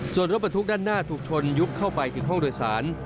ส่วนรถบรรทุกด้านหน้าถูกชนยุบเข้าไปถึงห้องโดยสาร